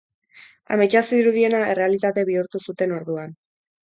Ametsa zirudiena errealitate bihurtu zuten orduan.